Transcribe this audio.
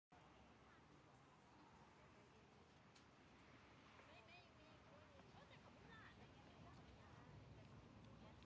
เมื่อเวลาเมื่อเวลาเมื่อเวลาเมื่อเวลา